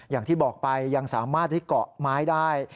อย่างที่บอกไปยังสามารถที่เกาะไม้ได้